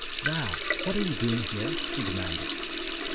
"Val! What are you doing here?" she demanded.